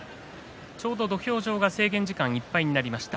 ちょうど土俵上が制限時間いっぱいになりました。